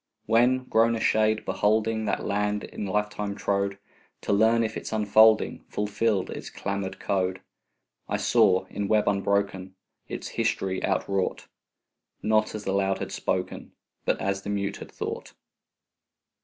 II When, grown a Shade, beholding That land in lifetime trode, To learn if its unfolding Fulfilled its clamoured code, I saw, in web unbroken, Its history outwrought Not as the loud had spoken, But as the mute had thought.